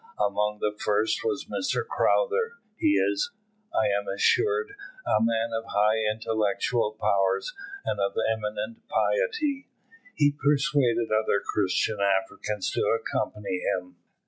Among the first was Mr Crowther. He is, I am assured, a man of high intellectual powers, and of eminent piety. He persuaded other Christian Africans to accompany him.